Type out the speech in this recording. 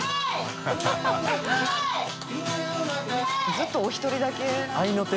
ずっとお一人だけ。